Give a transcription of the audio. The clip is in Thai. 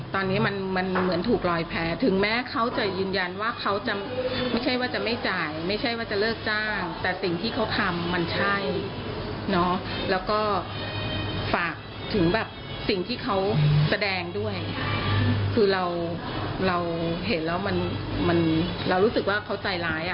ตอนนี้มันมันเหมือนถูกลอยแพ้ถึงแม้เขาจะยืนยันว่าเขาจะไม่ใช่ว่าจะไม่จ่ายไม่ใช่ว่าจะเลิกจ้างแต่สิ่งที่เขาทำมันใช่เนาะแล้วก็ฝากถึงแบบสิ่งที่เขาแสดงด้วยคือเราเราเห็นแล้วมันเรารู้สึกว่าเขาใจร้ายอ่ะ